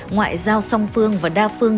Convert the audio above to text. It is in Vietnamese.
ngoại giao song phương và đa phương